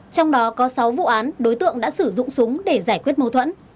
trong đó có sáu vụ án đối tượng đã sử dụng súng để giải quyết mâu thuẫn